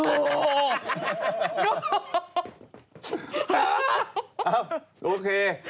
เอ้าโอเค